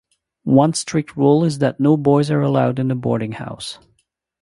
One strict rule is that no boys are allowed in the boarding house.